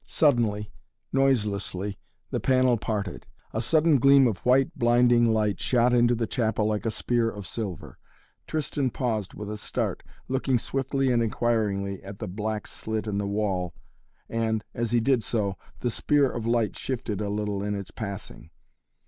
Suddenly, noiselessly the panel parted. A sudden gleam of white, blinding light shot into the chapel like a spear of silver. Tristan paused with a start, looking swiftly and inquiringly at the black slit in the wall and as he did so the spear of light shifted a little in its passing.